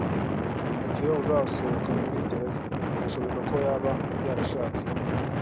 Mugihe uzasohoka muri gereza, birashoboka ko yaba yarashatse